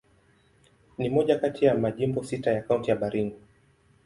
Ni moja kati ya majimbo sita ya Kaunti ya Baringo.